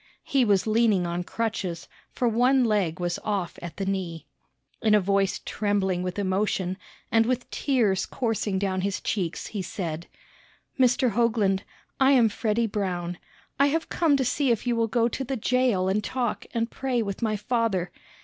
He was leaning on crutches; for one leg was off at the knee. In a voice trembling with emotion, and with tears coursing down his cheeks, he said: "Mr. Hoagland, I am Freddy Brown. I have come to see if you will go to the jail and talk and pray with my father.